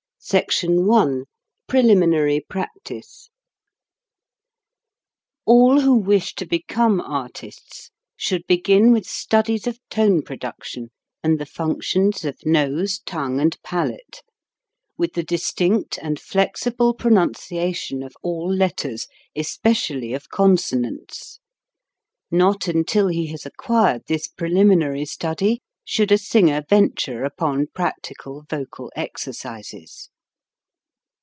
SECTION I PRELIMINARY PRACTICE ALL who wish to become artists should be gin with studies of tone production and the functions of nose, tongue, and palate : with the distinct and flexible pronunciation of all letters, especially of consonants. Not until he has acquired this preliminary study should a singer venture upon practical vocal exercises.